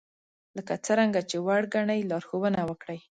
لکه څرنګه چې وړ ګنئ لارښوونه وکړئ